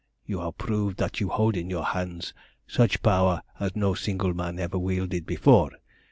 You have proved that you hold in your hands such power as no single man ever wielded before.